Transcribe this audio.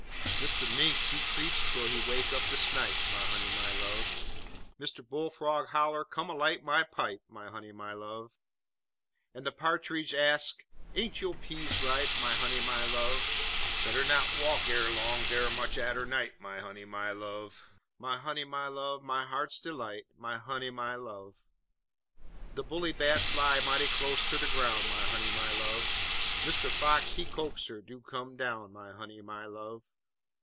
_ Mister Mink, he creeps twel he wake up de snipe, My honey, my love! Mister Bull Frog holler, Come alight my pipe! My honey, my love! En de Pa'tridge ax, Ain't yo' peas ripe? My honey, my love! Better not walk erlong dar much atter night, My honey, my love! My honey, my love, my heart's delight My honey, my love! De Bully Bat fly mighty close ter de groun', My honey, my love! Mister Fox, he coax 'er, Do come down! My honey, my love!